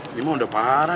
ini mah udah parah